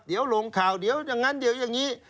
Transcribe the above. เดี๋ยวลงข่าวเดี๋ยวอย่างนั้นเดี๋ยวอย่างนี้